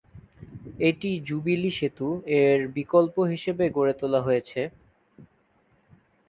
এটি জুবিলি সেতু এর বিকল্প হিসেবে গড়ে তোলা হয়েছে।